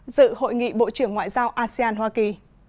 dự hội nghị bộ trưởng ngoại giao asean hoa kỳ